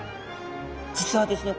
実はですね